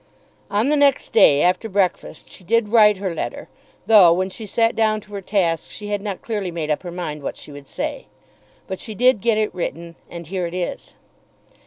On the next day after breakfast she did write her letter, though when she sat down to her task she had not clearly made up her mind what she would say. But she did get it written, and here it is.